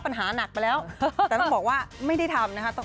ปัญหาหนักไปแล้วแต่ต้องบอกว่าไม่ได้ทำนะคะ